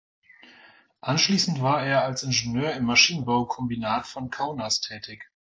Anschließend war er als Ingenieur im Maschinenbau-Kombinat von Kaunas tätig.